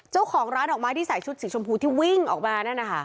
เจ้าของร้านดอกไม้ที่ใส่ชุดสีชมพูที่วิ่งออกมานั่นนะคะ